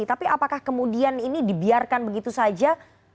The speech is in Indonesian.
tapi apakah kemudian ini dibiarkan begitu saja